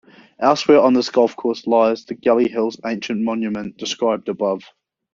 Elsewhere on this golf course lies the Gally Hills ancient monument, described above.